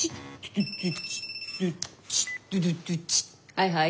はいはい。